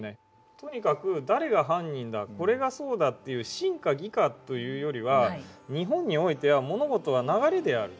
とにかく誰が犯人だこれがそうだっていう真か偽かというよりは日本においては物事は流れであると。